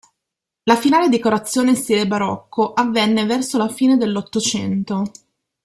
La finale decorazione in stile barocco avvenne verso la fine dell'Ottocento.